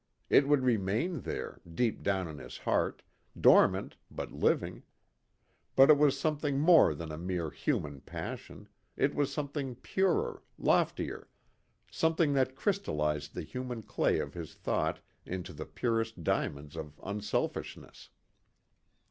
It would remain there, deep down in his heart, dormant but living. But it was something more than a mere human passion, it was something purer, loftier; something that crystallized the human clay of his thought into the purest diamonds of unselfishness.